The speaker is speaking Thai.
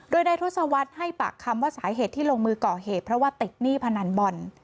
โดยนายทศวรรษให้ปากคำว่าสาเหตุที่ลงมือก่อเหตุเพราะว่าติดหนี้พนันบอล